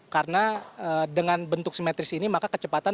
karena dengan bentuk simetris ini maka kecepatan